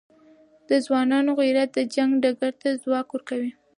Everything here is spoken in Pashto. د ځوانانو غیرت د جنګ ډګر ته ځواک ورکوي.